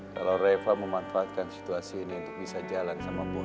kalau reva memanfaatkan situasi ini untuk bisa jalan sama bu